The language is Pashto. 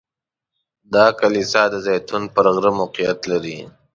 دا کلیسا د زیتون پر غره موقعیت لري.